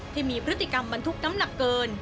ที่มีพฤติกรรมบรรทุกน้ำหนักเกิน